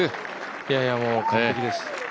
いやいや、もう完璧です。